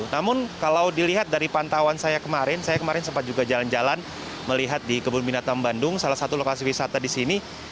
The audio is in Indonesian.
namun kalau dilihat dari pantauan saya kemarin saya kemarin sempat juga jalan jalan melihat di kebun binatang bandung salah satu lokasi wisata di sini